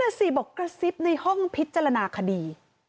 นั่นน่ะสิบอกกระซิบในห้องพิจารณาคดี